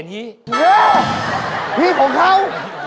จับข้าว